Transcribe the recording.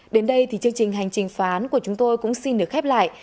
đến đây thì chương trình hành trình phán của chúng tôi cũng xin được khép lại